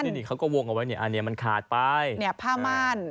นี่เขาก็วงเอาไว้เนี่ยอันนี้มันขาดไปเนี่ยผ้าม่าน